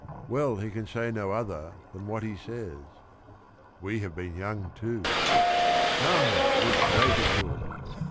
Well, he can say no other than what he says. We have been young too, — come, there 's greater guilt